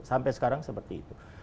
sampai sekarang seperti itu